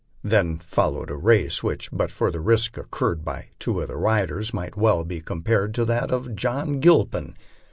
Then followed a race which, but for the risk incurred by two of the riders, might well be compared to that of John Gilpin.